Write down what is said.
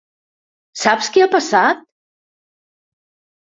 Saps què ha passat?